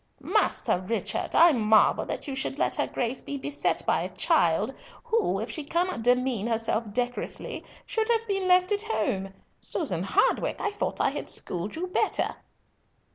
"Master Richard, I marvel that you should let her Grace be beset by a child, who, if she cannot demean herself decorously, should have been left at home. Susan Hardwicke, I thought I had schooled you better."